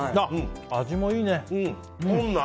味もいいね。